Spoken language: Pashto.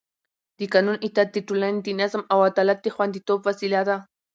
د قانون اطاعت د ټولنې د نظم او عدالت د خونديتوب وسیله ده